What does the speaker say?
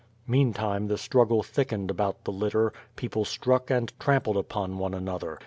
Meantime, the struggle thickened about the litter; people struck and trampled upon one another.